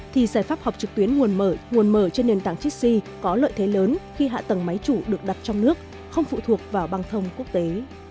thì giải pháp học trực tuyến nguồn mở nguồn mở trên nền tảng chissy có lợi thế lớn khi hạ tầng máy chủ được đặt trong nước không phụ thuộc vào băng thông quốc tế